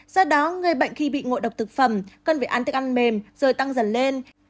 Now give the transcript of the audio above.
do đó người bệnh khi bị ngộ độc thực phẩm cần phải ăn thức ăn mềm rồi tăng dần lên